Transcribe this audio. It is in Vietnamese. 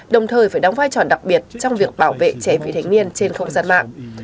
đồng thời phải đóng vai trò đặc biệt trong việc bảo vệ trẻ vị thanh niên trên không gian mạng